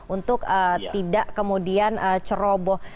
untuk tidak kemudian ceroboh